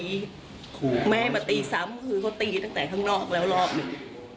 แม่มาตีซ้ำคือเขาตีตั้งแต่ข้างนอกแล้วรอบหนึ่ง